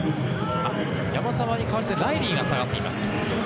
山沢に代わって、ライリーが下がっています。